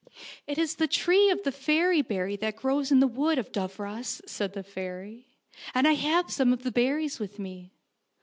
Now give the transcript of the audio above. " It is the tree of the fairy berry that grows in the Wood of Dooros," said the fairy, " and I have some of the berries with me."